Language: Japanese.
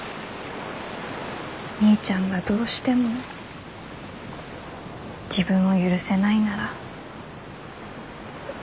みーちゃんがどうしても自分を許せないなら。